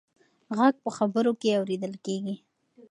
غږ په خبرو کې اورېدل کېږي.